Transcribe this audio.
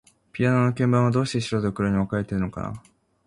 ピアノの鍵盤は、どうして白と黒に分かれているのかな。